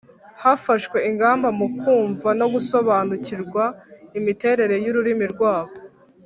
Hafashwe ingamba mu kumva no gusobanukirwa imiterere y’ururimi rwabo